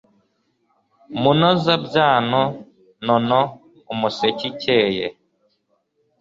munozabyano nono umuseke ikeye